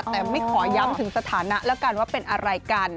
แต่ไม่ขอย้ำถึงสถานะแล้วกันว่าเป็นอะไรกัน